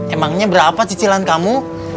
emangnya berapa cicilan kamu